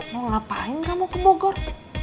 mau ngapain kamu ke bogor